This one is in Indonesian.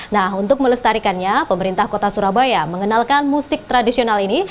nah untuk melestarikannya pemerintah kota surabaya mengenalkan musik tradisional ini